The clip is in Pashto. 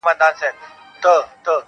• نه د چا غلیم یم نه حسد لرم په زړه کي -